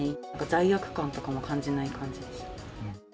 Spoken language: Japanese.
罪悪感とかも感じない感じでした。